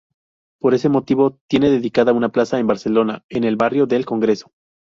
Por ese motivo, tiene dedicada una plaza en Barcelona, en el barrio del Congreso.